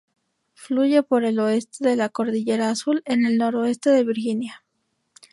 Fluye por el oeste de la cordillera Azul, en el noroeste de Virginia.